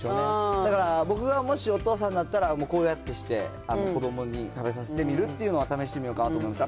だから、僕がもしお父さんになったら、もうこうやってして、子どもに食べさせてみるっていうのは試してみようかなと思いました。